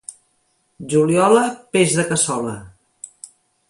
Juliola, peix de cassola.